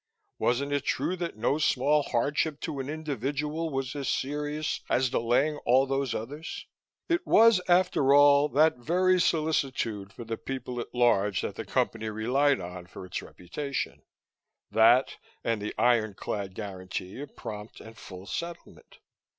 Wasn't it true that no small hardship to an individual was as serious as delaying all those others? It was, after all, that very solicitude for the people at large that the Company relied on for its reputation that, and the iron clad guarantee of prompt and full settlement.